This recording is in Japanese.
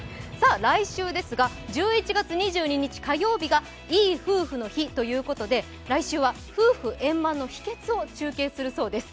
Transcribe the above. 来週ですが、１１月２２日火曜日がいい夫婦の日ということで来週は夫婦円満の秘訣を中継するそうです。